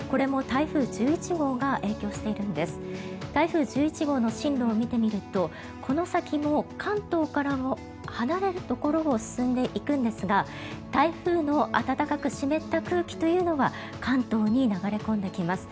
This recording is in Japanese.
台風１１号の進路を見てみるとこの先も関東からも離れるところを進んでいくんですが台風の暖かく湿った空気というのは関東に流れ込んできます。